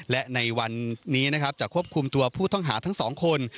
และในวันนี้นะครับจะควบคุมตัวผู้ต้องหาทั้งสองคน